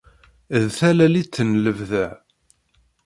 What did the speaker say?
Dtalalit n lebda.